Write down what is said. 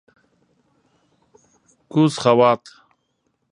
کوز خوات: